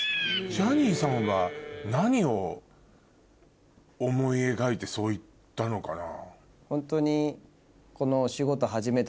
ジャニーさんは何を思い描いてそう言ったのかな？